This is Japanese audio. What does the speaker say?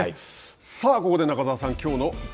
さあここで中澤さん